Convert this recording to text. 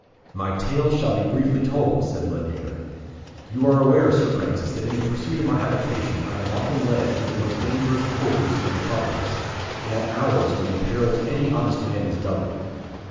"My tale shall be briefly told," said Lanyere. "You are aware, Sir Francis, that in the pursuit of my avocation I am often led into the most dangerous quarters of the metropolis, and at hours when the peril to any honest man is doubled.